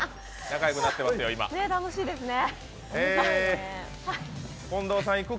楽しいですね。